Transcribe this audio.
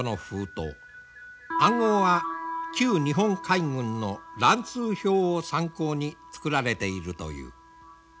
暗号は旧日本海軍の乱数表を参考に作られているという。